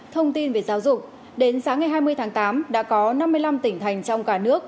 thông tin về giáo dục đến sáng ngày hai mươi tháng tám đã có năm mươi năm tỉnh thành trong cả nước